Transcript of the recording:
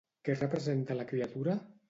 Què representa la criatura?